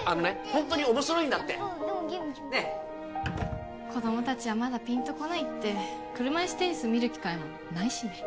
ホントに面白いんだってねえ子供達はまだピンとこないって車いすテニス見る機会もないしね